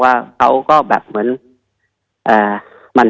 สุดท้ายสุดท้าย